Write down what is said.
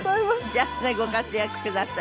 じゃあねご活躍ください。